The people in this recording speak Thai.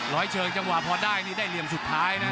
ร้อยเชิงจังหวะพอได้นี่ได้เหลี่ยมสุดท้ายนะ